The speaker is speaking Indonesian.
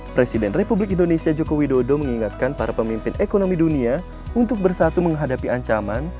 presiden republik indonesia joko widodo mengingatkan para pemimpin ekonomi dunia untuk bersatu menghadapi ancaman